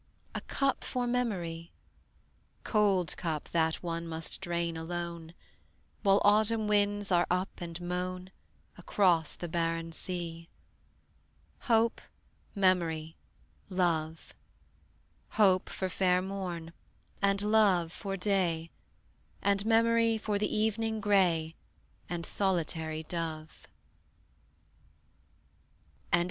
"A cup for memory!" Cold cup that one must drain alone: While autumn winds are up and moan Across the barren sea. Hope, memory, love: Hope for fair morn, and love for day, And memory for the evening gray And solitary dove. MIRAGE.